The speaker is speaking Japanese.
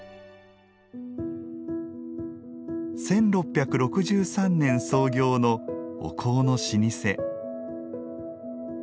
１６６３年創業のお香の老舗。